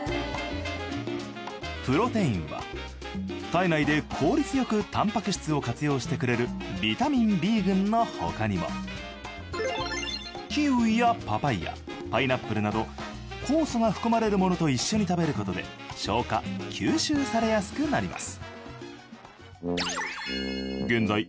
プロテインは体内で効率よくタンパク質を活用してくれるビタミンＢ群のほかにもキウイやパパイヤパイナップルなど酵素が含まれるものと一緒に食べることで消化吸収されやすくなります。